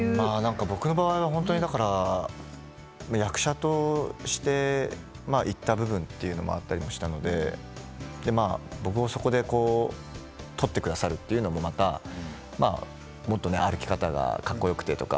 僕の場合は役者として行った部分というのもあったりしたので僕もそこで取ってくださるというのも、またもっと歩き方がかっこよくてとか